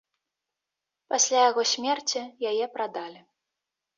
Пасля яго смерці яе прадалі.